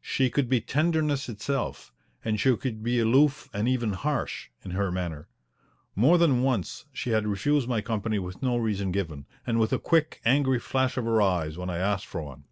She could be tenderness itself, and she could be aloof and even harsh in her manner. More than once she had refused my company with no reason given, and with a quick, angry flash of her eyes when I asked for one.